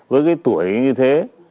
với cái tuổi như thế